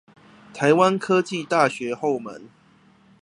臺灣科技大學後門